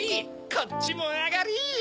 こっちもあがり！